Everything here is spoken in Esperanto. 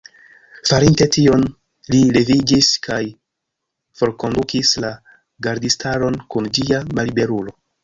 Farinte tion, li leviĝis kaj forkondukis la gardistaron kun ĝia malliberulo.